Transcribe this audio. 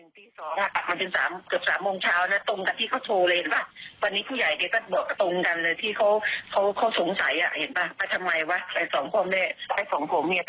ที่ข่าวเขาออกมาค่ะไทม์ไลน์ของลุงคนเจ็ดนาที